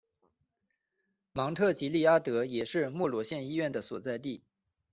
芒特吉利阿德也是莫罗县医院的所在地。